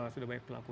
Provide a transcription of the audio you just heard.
sudah banyak berlaku